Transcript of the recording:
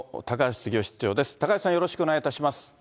高橋さん、よろしくお願いいたします。